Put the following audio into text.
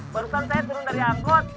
barusan saya turun dari angkot